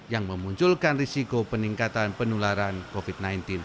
yang memunculkan risiko peningkatan penularan covid sembilan belas